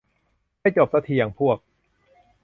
ไม่จบซักที อย่างพวก